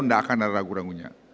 tidak akan ada ragu ragunya